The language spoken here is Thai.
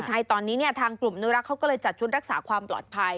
ใช่ตอนนี้เนี่ยทางกลุ่มอนุรักษ์เขาก็เลยจัดชุดรักษาความปลอดภัย